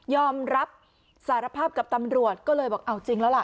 อมรับสารภาพกับตำรวจก็เลยบอกเอาจริงแล้วล่ะ